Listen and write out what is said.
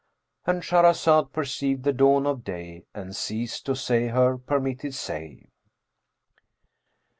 —And Shahrazad perceived the dawn of day and ceased to say her permitted say.